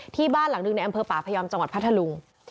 ที่บ้านหลังหนึ่งในอำเภอป่าพยอมจังหวัดพัทธลุง